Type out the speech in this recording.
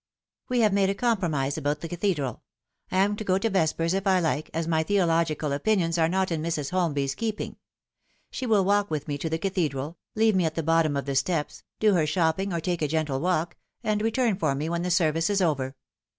" We have made a compromise about the Cathedral. I am 332 The Fntal Three. to go to vespers if I like, as my theological opinions are not in Mrs. Holmby's keeping. She will walk with me to the Cathedral, leave me at the bottom of the steps, do her shopping or take a gentle walk, and return for me when the service is over.